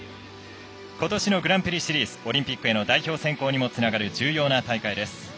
ことしのグランプリシリーズオリンピックへの代表選考にもつながる重要な大会です。